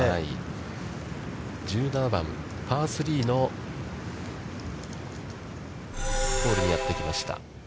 １７番、パー３のホールにやってきました。